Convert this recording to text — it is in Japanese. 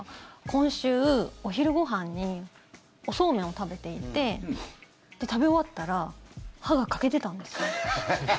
今週、お昼ご飯におそうめんを食べていてで、食べ終わったら歯が欠けてたんですよ。